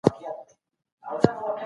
نړیوالو تجاربو ښې پایلې وښودلې.